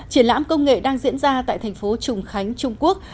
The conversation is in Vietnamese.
triển lãm công nghệ đang diễn ra tại thành phố trùng khánh trung quốc